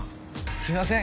すいません